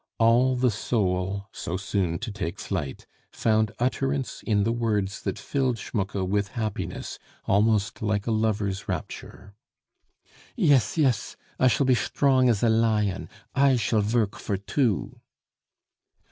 All the soul, so soon to take flight, found utterance in the words that filled Schmucke with happiness almost like a lover's rapture. "Yes, yes. I shall be shtrong as a lion. I shall vork for two!"